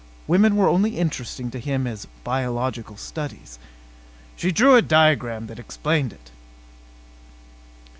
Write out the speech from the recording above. Women were only interesting to him as biological studies. "She drew a diagram that explained it.